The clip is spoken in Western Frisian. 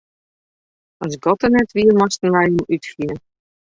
As God der net wie, moasten wy Him útfine.